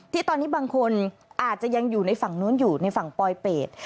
ที่ตอนนี้บางคนอาจจะยังอยู่ในฝั่งนู้นอยู่ในฝั่งปลอยเป็ด